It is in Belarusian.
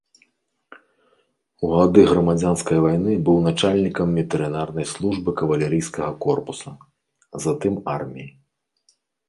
У гады грамадзянскай вайны быў начальнікам ветэрынарнай службы кавалерыйскага корпуса, затым арміі.